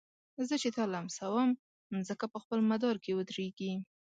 زه چي تا لمسوم مځکه په خپل مدار کي ودريږي